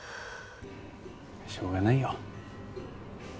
しょうがないよ。